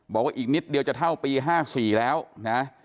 บอกว่าอีกนิดเดียวจะเท่าปี๕๔แล้วนะ